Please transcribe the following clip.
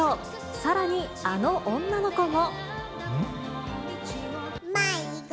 さらに、あの女の子も。